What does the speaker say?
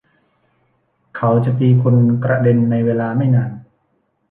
เขาจะตีคุณกระเด็นในเวลาไม่นาน